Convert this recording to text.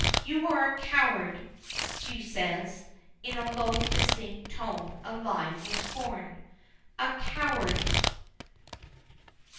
"You are a coward!" she says, in a low, distinct tone alive with scorn. "A coward!"